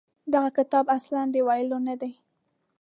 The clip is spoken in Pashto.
دغه کتاب اصلاً د ویلو نه دی.